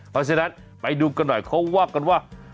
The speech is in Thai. เพราะฉะนั้นไปดูกันหน่อยเขาว่ากันว่า